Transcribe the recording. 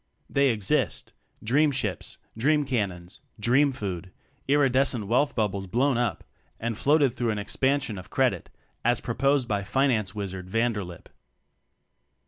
They exist: dream ships, dream cannons, dream food irides cent wealth bubbles blown up and "floated through an expansion of credit," as proposed by Finance Wiz ard Vanderlip